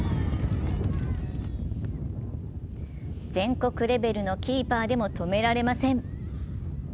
全国レベルのキーパーでも止められません。